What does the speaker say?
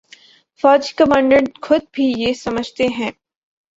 فوجی کمانڈر خود بھی یہ سمجھتے ہیں۔